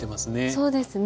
そうですね。